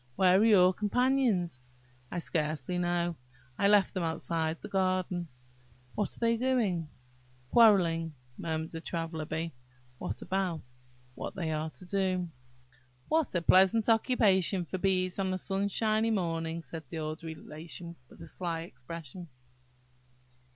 "Where are your companions?" "I scarcely know; I left them outside the garden." "What are they doing?" "... Quarrelling ..." murmured the Traveller bee. "What about?" "What they are to do." "What a pleasant occupation for bees on a sunshiny morning!" said the old Relation, with a sly expression.